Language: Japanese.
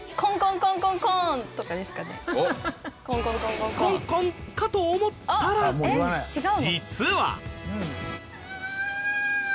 「コンコン」かと思ったら実は。